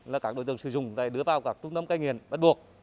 là các đối tượng sử dụng đưa vào các trung tâm cây nghiền bắt buộc